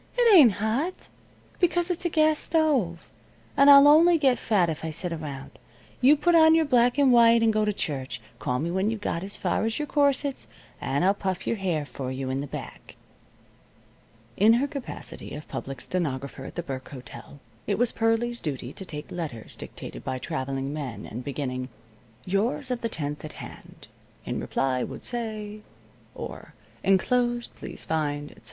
"It ain't hot, because it's a gas stove. And I'll only get fat if I sit around. You put on your black and white and go to church. Call me when you've got as far as your corsets, and I'll puff your hair for you in the back." In her capacity of public stenographer at the Burke Hotel, it was Pearlie's duty to take letters dictated by traveling men and beginning: "Yours of the 10th at hand. In reply would say. ..." or: "Enclosed please find, etc."